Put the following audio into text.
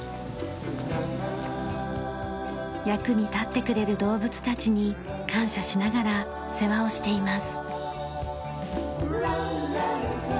役に立ってくれる動物たちに感謝しながら世話をしています。